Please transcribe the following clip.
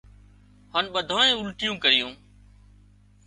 هانَ ٻڌانئي اُلٽيون ڪريون